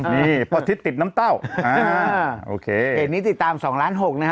นี่พ่อทิศติดน้ำเต้าอ่าโอเคเพจนี้ติดตามสองล้านหกนะฮะ